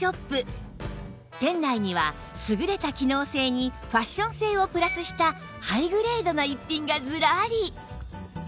店内には優れた機能性にファッション性をプラスしたハイグレードな逸品がずらり